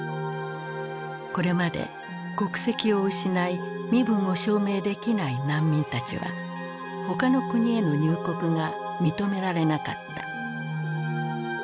これまで国籍を失い身分を証明できない難民たちは他の国への入国が認められなかった。